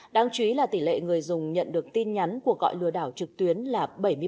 đáng chú ý là tỷ lệ người dùng nhận được tin nhắn của gọi lừa đảo trực tuyến là bảy mươi ba